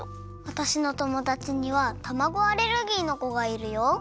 わたしのともだちにはたまごアレルギーのこがいるよ。